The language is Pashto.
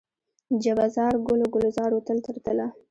جبه زار، ګل و ګلزار و تل تر تله